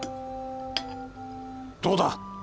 どうだ。